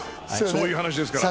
そういう話です。